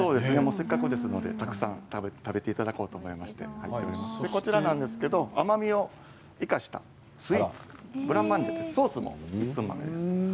せっかくなので、たくさん食べていただこうと思いましてこちらは甘みを生かしたスイーツブラマンジェソースも一寸豆です。